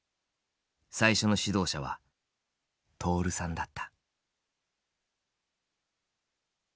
最初の指導者は徹さんだった。